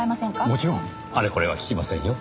もちろんあれこれは聞きませんよ。